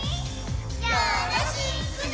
よろしくね！